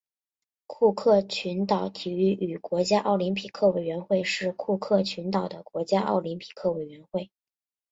库克群岛体育与国家奥林匹克委员会是库克群岛的国家奥林匹克委员会。